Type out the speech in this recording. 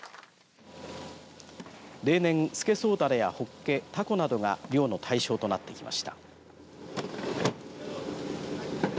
例年、スケソウダラやホッケタコなどが漁の対象となってきました。